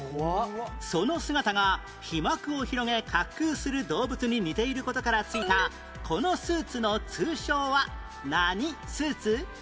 その姿が飛膜を広げ滑空する動物に似ている事からついたこのスーツの通称は何スーツ？